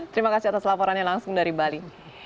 terima kasih atas laporannya langsung dari bali